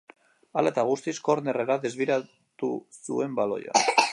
Hala eta guztiz, kornerrera desbideratu zuen baloia.